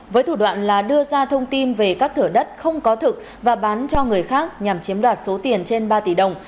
với thủ đoạn là đưa ra thông tin về các thửa đất không có thực và bán cho người khác nhằm chiếm đoạt số tiền trên ba tỷ đồng